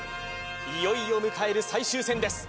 いよいよ迎える最終戦です